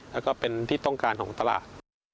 แล้วก็เป็นที่ต้องการของตลาด